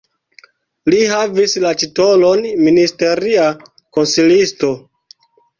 Li havis la titolon ministeria konsilisto.